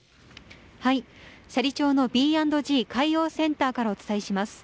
斜里町のＢ＆Ｇ海洋センターからお伝えします。